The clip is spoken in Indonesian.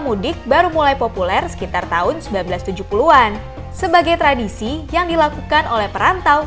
mudik baru mulai populer sekitar tahun seribu sembilan ratus tujuh puluh an sebagai tradisi yang dilakukan oleh perantau